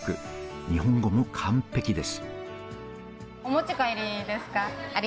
日本語も完璧です。